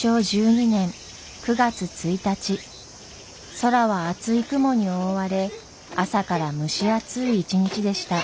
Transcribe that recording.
空は厚い雲に覆われ朝から蒸し暑い一日でした。